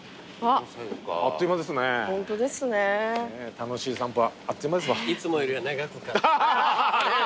楽しい散歩はあっという間ですわ。